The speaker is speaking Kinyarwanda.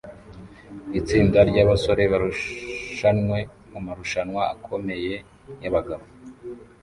Itsinda ryabasore barushanwe mumarushanwa akomeye yabagabo